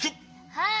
はい！